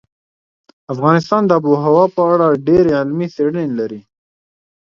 افغانستان د آب وهوا په اړه ډېرې علمي څېړنې لري.